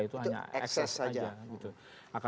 itu hanya ekses saja